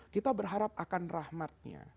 kita berharap akan rahmatnya